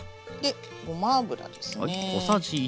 ごま油ですね。